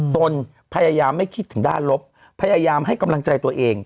ตนพยายามไม่คิดถึงด้านลบพยายามให้กำลังใจตัวเอง